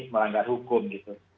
melanggar hukum gitu